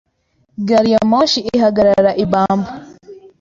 Gari ya moshi ihagarara i Bambury.